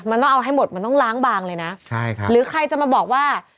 มันต้องเอาให้หมดมันต้องล้างบางเลยนะใช่ครับหรือใครจะมาบอกว่า